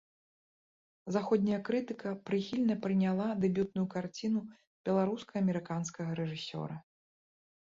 Заходняя крытыка прыхільна прыняла дэбютную карціну беларуска-амерыканскага рэжысёра.